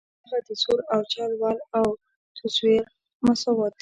دا هماغه د زور او چل ول او تزویر مساوات دي.